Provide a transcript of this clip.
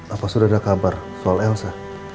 apa sudah ada kabar soal elsa